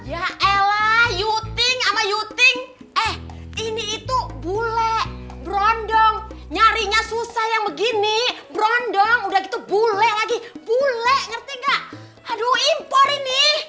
ya elah you think ama you think eh ini itu bule berondong nyarinya susah yang begini berondong udah gitu bule lagi bule ngerti gak aduh impor ini